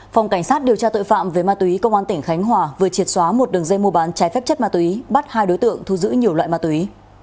phòng cảnh sát điều tra tội phạm về ma túy công an tỉnh khánh hòa vừa triệt xóa một đường dây mua bán trái phép chất ma túy bắt hai đối tượng thu giữ nhiều loại ma túy